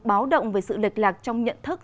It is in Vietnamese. báo động về sự lịch lạc trong nhận thức